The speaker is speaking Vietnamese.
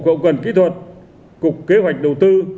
cậu quần kỹ thuật cục kế hoạch đầu tư